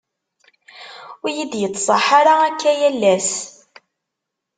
ur iyi-d-yettṣaḥ ara akka yal ass.